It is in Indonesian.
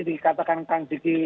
dikatakan kang ziki